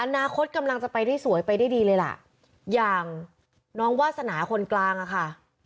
อนาคตกำลังจะไปได้สวยไปได้ดีเลยล่ะอย่างน้องวาสนาคนกลางอ่ะค่ะ